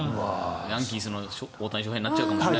ヤンキースの大谷翔平になっちゃうかもしれない。